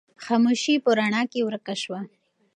خاموشي په رڼا کې ورکه شوه.